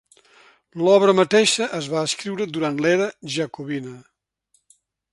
L'obra mateixa es va escriure durant l'era Jacobina.